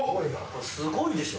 これすごいでしょ？